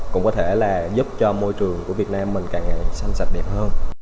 cũng có thể là giúp cho môi trường của việt nam mình càng sạch đẹp hơn